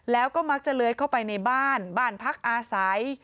แล้วก็มักจะเลื้อยเข้าไปในบ้านบ้านพักอาศัย